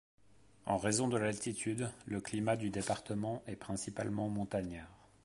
En raison de l'altitude, le climat du département est principalement montagnard.